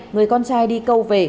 người con trai đi câu về